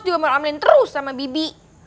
dia mau amelin terus sama bibi